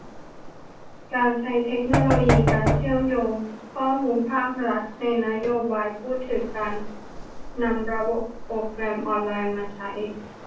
การใช้เทคโนโลยี การเชื่อมโยงข้อมูลภาครัฐ ในนโยบายพูดถึง การนำระบบโปรแกรมออนไลน์มาใช้